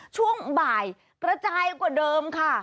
ช่วงบ่ายกระจายกว่าเดิมค่ะ